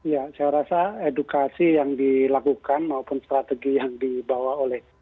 ya saya rasa edukasi yang dilakukan maupun strategi yang dibawa oleh